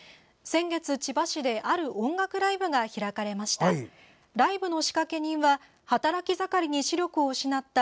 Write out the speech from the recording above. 先月、千葉市である音楽ライブが開かれました。